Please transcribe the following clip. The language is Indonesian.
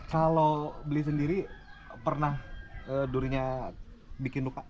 kalau beli sendiri pernah durinya bikin luka